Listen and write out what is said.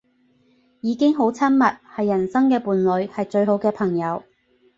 已經好親密，係人生嘅伴侶，係最好嘅朋友